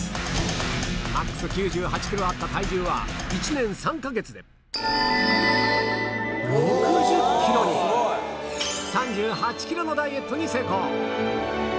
マックス９８ｋｇあった体重は１年３か月で３８ｋｇのダイエットに成功